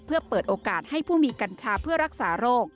เพื่อเปิดโอกาสให้ผู้มีกัญชาเพื่อรักษาโรค